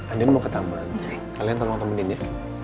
andin mau ke tamuan kalian tolong temenin ya